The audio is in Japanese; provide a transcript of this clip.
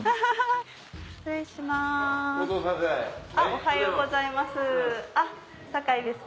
おはようございます酒井です。